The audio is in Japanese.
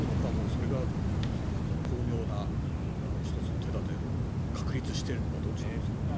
それが巧妙な１つの手立てを確立しているのかどっちなんですかね。